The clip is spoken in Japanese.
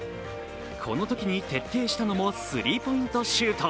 このときに徹底したのもスリーポイントシュート。